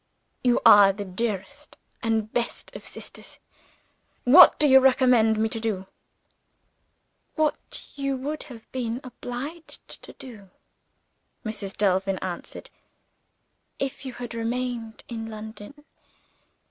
"You are the dearest and best of sisters! What do you recommend me to do?" "What you would have been obliged to do," Mrs. Delvin answered, "if you had remained in London.